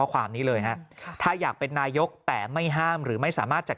ความนี้เลยฮะถ้าอยากเป็นนายกแต่ไม่ห้ามหรือไม่สามารถจัด